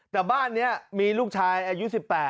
แต่บ้านนี้มีลูกชายอายุ๑๘